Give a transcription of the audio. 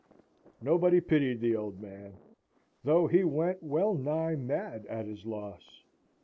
Nobody pitied the old man, though he went well nigh mad at his loss.